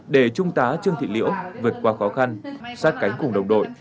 để trung tá trương thị liễu vượt qua khó khăn sát cánh cùng đồng đội